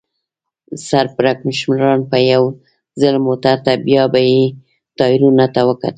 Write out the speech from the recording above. سر پړکمشرانو به یو ځل موټر ته بیا به یې ټایرونو ته وکتل.